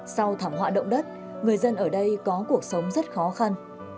sau thảm họa động đất người dân ở đây có cuộc sống rất khó khăn